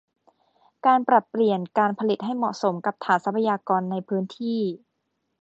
การปรับเปลี่ยนการผลิตให้เหมาะสมกับฐานทรัพยากรในพื้นที่